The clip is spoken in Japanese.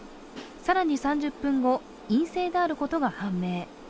更に３０分後、陰性であることが判明